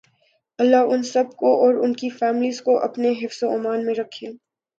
لله ان سب کو اور انکی فیملیز کو اپنے حفظ و امان میں رکھے